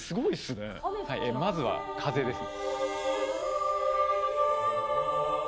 まずは、風です。